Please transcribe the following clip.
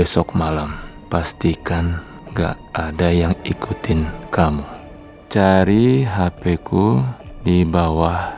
sampai jumpa di video selanjutnya